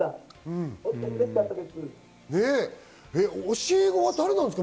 教え子誰なんですか？